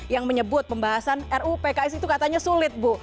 yang menyebut pembahasan ruu pks itu katanya sulit bu